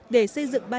để xây dựng ba nhà